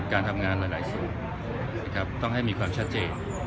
การทำงานระดับศูนย์ต้องให้มีความชัดเจน